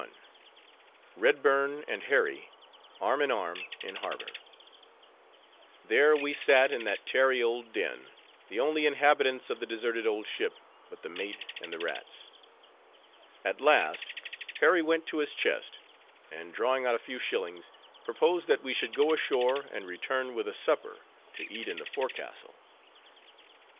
REDBURN AND HARRY, ARM IN ARM, IN HARBOR There we sat in that tarry old den, the only inhabitants of the deserted old ship, but the mate and the rats. At last, Harry went to his chest, and drawing out a few shillings, proposed that we should go ashore, and return with a supper, to eat in the forecastle.